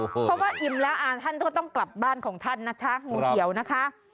เพราะว่าอิ่มแล้วท่านก็ต้องกลับบ้านของท่านนะคะงูเขียวนะคะ